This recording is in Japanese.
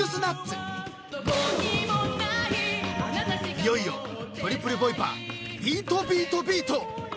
［いよいよトリプルボイパビート・ビート・ビート］